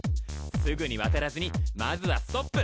すぐに渡らずにまずはストップ！